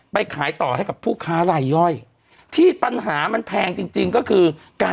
ไปขายต่อให้กับผู้ค้ารายย่อยที่ปัญหามันแพงจริงก็คือ